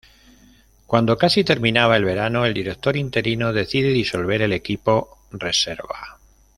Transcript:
Cuando casi terminaba el verano, el director interino decide disolver el equipo "reserva".